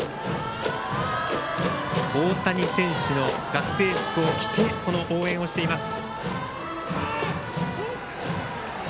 大谷選手の学生服を着てこの応援をしています。